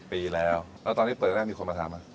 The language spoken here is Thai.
๕๐ปีแล้วแล้วตอนที่เปิดแรกมีคนมาทำอ่ะ